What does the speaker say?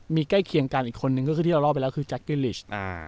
มีใกล้เคียงกันอีกคนนึงก็คือที่เราเล่าไปแล้วคือแจ๊กกี้ลิช